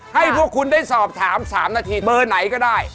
ให้พวกคุณได้สอบถาม๓นาทีเบอร์ไหนก็ได้